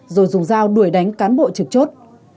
rồi dùng dao đuổi đánh cán bộ trực chốt